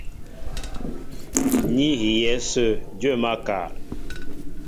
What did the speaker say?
Ní hiyɛ̌ ásə̄ dwə̂ máál kâ.